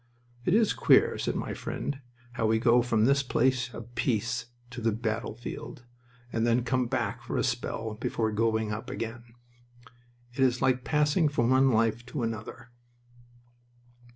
"It is queer," said my friend, "how we go from this place of peace to the battlefield, and then come back for a spell before going up again. It is like passing from one life to another."